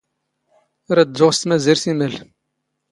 ⵔⴰⴷ ⴷⴷⵓⵖ ⵙ ⵜⵎⴰⵣⵉⵔⵜ ⵉⵎⴰⵍ.